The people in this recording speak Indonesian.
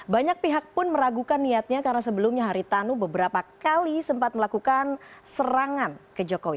banyak pihak pun meragukan niatnya karena sebelumnya haritanu beberapa kali sempat melakukan serangan ke jokowi